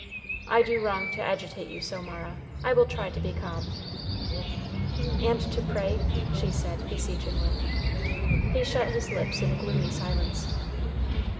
"I do wrong to agitate you so, Mara. I will try to be calm." "And to pray?" she said, beseechingly. He shut his lips in gloomy silence.